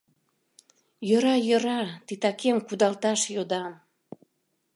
— Йӧра, йӧра, титакем кудалташ йодам.